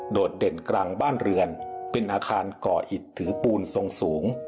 ดเด่นกลางบ้านเรือนเป็นอาคารก่อหิตถือปูนทรงสูง